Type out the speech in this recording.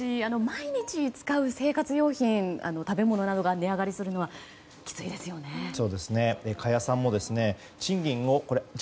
毎日使う生活用品食べ物などが値上がりするのはきついですよね。